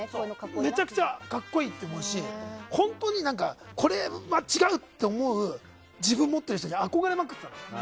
めちゃくちゃ格好いいと思ってるし本当に、これは違うって思う自分を持っている人に憧れまくってたの。